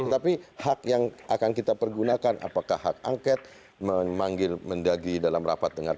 tetapi hak yang akan kita pergunakan apakah hak angket memanggil mendagi dalam rapat dengan